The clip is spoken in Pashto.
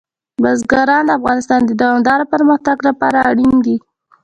بزګان د افغانستان د دوامداره پرمختګ لپاره اړین دي.